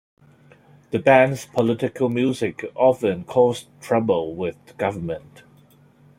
The band's political music often caused trouble with the government.